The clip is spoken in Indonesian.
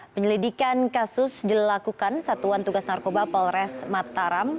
penyelidikan kasus dilakukan satuan tugas narkoba polres mataram